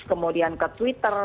kemudian ke twitter